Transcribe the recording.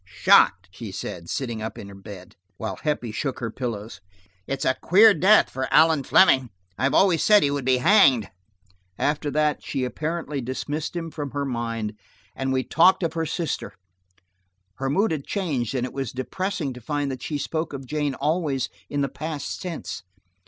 "Shot!" she said, sitting up in bed, while Heppie shook her pillows. "It's a queer death for Allan Fleming; I always said he would be hanged." After that, she apparently dismissed him from her mind, and we talked of her sister. Her mood had changed and it was depressing to find that she spoke of Jane always in the past tense.